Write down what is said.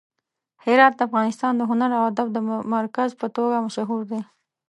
هرات د افغانستان د هنر او ادب د مرکز په توګه مشهور دی.